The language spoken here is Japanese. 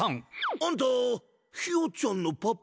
あんたひよちゃんのパパ。